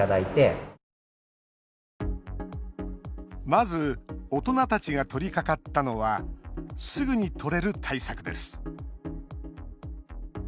まず大人たちが取りかかったのはすぐに取れる対策です。